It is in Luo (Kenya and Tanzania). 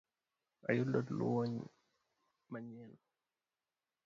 Ayudo luong' mayien.